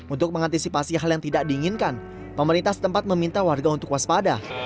untuk mengantisipasi hal yang tidak diinginkan pemerintah setempat meminta warga untuk waspada